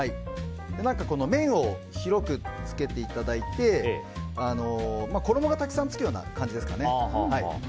面を広くつけていただいて衣がたくさんつくような感じですかね。